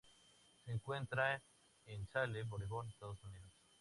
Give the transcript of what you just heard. Se encuentran en Salem, Oregón, Estados Unidos.